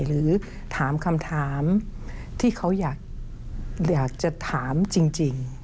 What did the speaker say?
หรือถามคำถามที่เขาอยากจะถามจริง